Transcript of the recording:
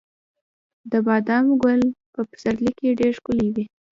د بادامو ګل په پسرلي کې ډیر ښکلی وي.